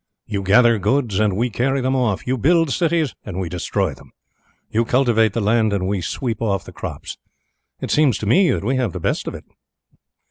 You gather goods, and we carry them off; you build cities, and we destroy them; you cultivate the land, and we sweep off the crops. It seems to me that we have the best of it."